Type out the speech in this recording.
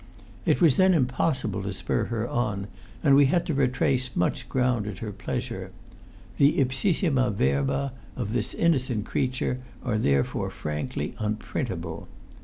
It was then impossible to spur her on, and we had to retrace much ground at her pleasure. The ípsíssíma verba of this innocent creature are therefore frankly unprintable.